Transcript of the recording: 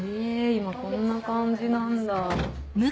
今こんな感じなんだ。